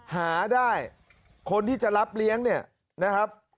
หาได้คนที่จะรับเลี้ยงเนี่ยนะครับ